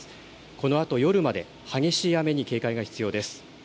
このあと夜まで激しい雨に警戒が必要です。